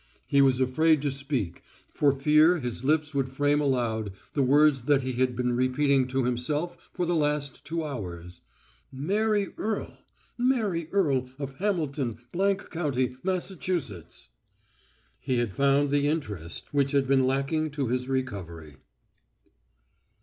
He was afraid to speak for fear his lips would frame aloud the words that he had been repeating to himself for the last two hours. "Mary Earle! Mary Earle, of Hamilton, —— county, Massachusetts." He had found the interest which had been lacking to his recovery.